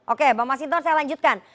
oke bang masinton saya lanjutkan